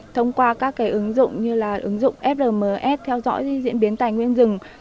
thông qua các ứng dụng như là ứng dụng flms theo dõi diễn biến tài nguyên rừng